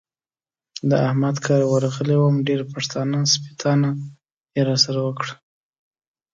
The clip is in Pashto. د احمد کره ورغلی وم؛ ډېره سپېتانه يې را سره وکړه.